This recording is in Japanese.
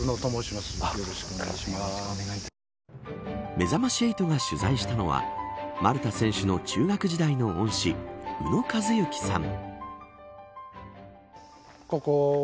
めざまし８が取材したのは丸田選手の中学時代の恩師宇野和之さん。